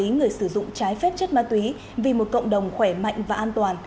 người sử dụng trái phép chất ma túy vì một cộng đồng khỏe mạnh và an toàn